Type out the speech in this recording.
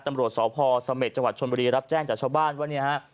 ตำรวจอภซจชนบุรีคุณหรับแจ้งกับชาวบ้านว่า